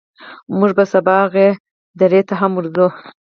موږ به سبا هغې درې ته هم ورځو.